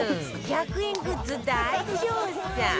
１００円グッズ大調査